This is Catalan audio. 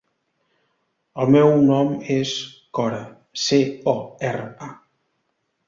El meu nom és Cora: ce, o, erra, a.